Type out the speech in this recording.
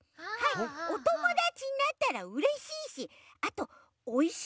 おともだちになったらうれしいしあとおいしいですしね。